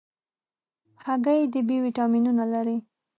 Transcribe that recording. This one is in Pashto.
هګۍ د B ویټامینونه لري.